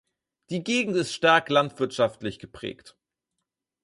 Die Gegend ist stark landwirtschaftlich geprägt.